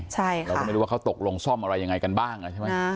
เราก็ไม่รู้ว่าเขาตกลงซ่อมอะไรยังไงกันบ้างใช่ไหม